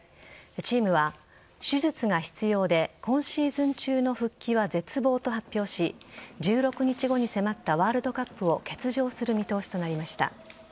チームは、手術が必要で今シーズン中の復帰は絶望と発表し１６日後に迫ったワールドカップを欠場する見通しとなりました。